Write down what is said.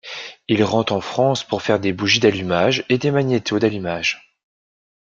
Il rentre en France pour faire des bougies d'allumage et des magnétos d'allumage.